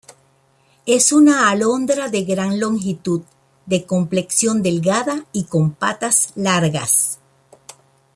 Es una alondra de gran longitud, de complexión delgada y con patas largas.